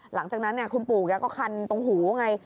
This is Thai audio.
หลังจากนั้นคุณปู่แกก็คันตรงหูไง